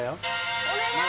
お願い！